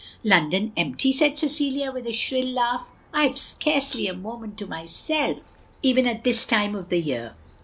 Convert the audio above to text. " "London empty!" said Cecilia, with a shrill laugh, " I have scarcely a moment to myself, even at this time of the year.